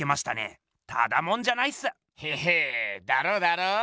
ただもんじゃないっす。へへっだろだろ！